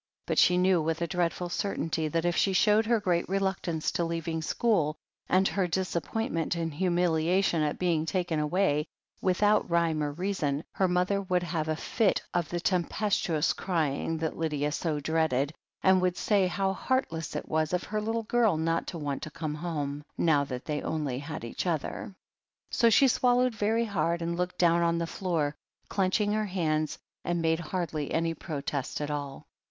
But she knew with a dreadful certainty that if she showed her great reluctance to leaving school, and her disappointment and humiliation at be ing taken away without rhyme or reason, her mothg would have a fit of the tempestuous crying that Lydia 28 .THE HEEL OF ACHILLES so dreaded, and would say how heartless it was of her little girl not to want to come home, "now that they only had each other.'* So she swallowed very hard, and looked down on the floor, clenching her hands, and made hardly any protest at all.